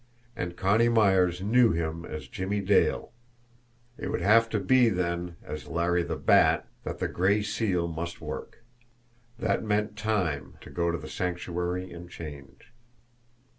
And Connie Myers knew him as Jimmie Dale it would have to be then as Larry the Bat that the Gray Seal must work. That meant time to go to the Sanctuary and change.